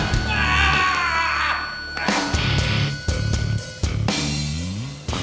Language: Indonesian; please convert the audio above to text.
gak ada masalah